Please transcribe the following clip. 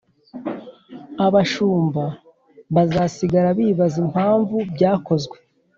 abashumba bazasigara bibaza impamvu byakozwe